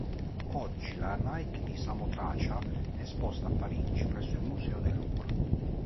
Oggi la Nike di Samotracia è esposta a Parigi presso il Museo del Louvre.